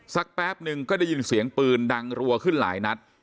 แป๊บนึงก็ได้ยินเสียงปืนดังรัวขึ้นหลายนัด